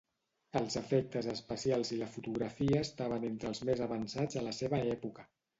Els efectes especials i la fotografia estaven entre els més avançats a la seva època.